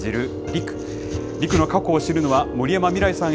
陸の過去を知るのは森山未來さん